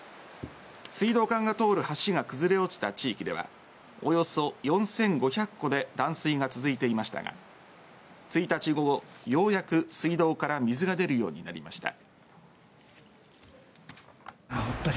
水道管が通る橋が崩れ落ちた地域ではおよそ４５００戸で断水が続いていましたが１日午後、ようやく水道から水が出るようになりました。